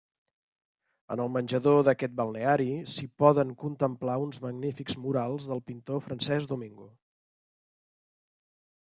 En el menjador d'aquest balneari s'hi poden contemplar uns magnífics murals del pintor Francesc Domingo.